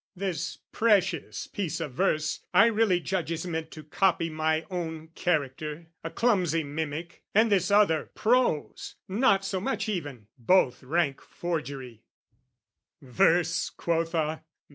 " This precious piece of verse, I really judge "Is meant to copy my own character, "A clumsy mimic; and this other prose, "Not so much even; both rank forgery: "Verse, quotha?